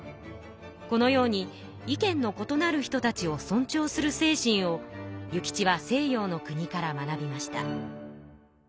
このように意見の異なる人たちを尊重する精神を諭吉は西洋の国から学びました。